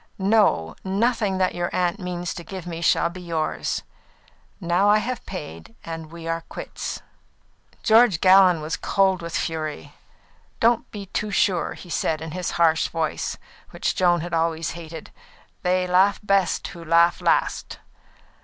No; nothing that your aunt means to give me shall be yours. Now I have paid, and we are quits." [Illustration: "'No, I will not marry you.'"] George Gallon was cold with fury. "Don't be too sure," he said in his harsh voice, which Joan had always hated. "They laugh best who laugh last."